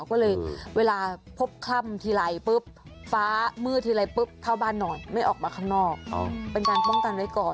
ก็เลยเวลาพบคล่ำทีไรปุ๊บฟ้ามืดทีไรปุ๊บเข้าบ้านนอนไม่ออกมาข้างนอกเป็นการป้องกันไว้ก่อน